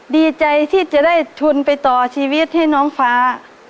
ดีใจที่จะได้ทุนไปต่อชีวิตให้น้องฟ้า